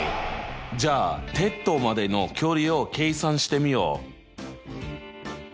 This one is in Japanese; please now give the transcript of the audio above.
じゃあ鉄塔までの距離を計算してみよう。